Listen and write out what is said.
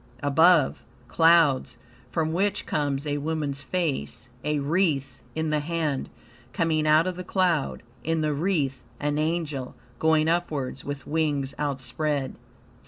Above clouds, from which comes a woman's face, a wreath in the hand, coming out of the cloud; in the wreath an angel, going upwards, with wings outspread.